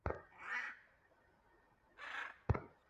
বেশি কিছু না, কিন্তু কাজ তো কাজী।